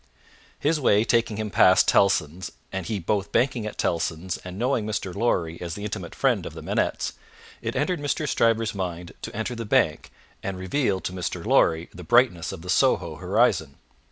His way taking him past Tellson's, and he both banking at Tellson's and knowing Mr. Lorry as the intimate friend of the Manettes, it entered Mr. Stryver's mind to enter the bank, and reveal to Mr. Lorry the brightness of the Soho horizon.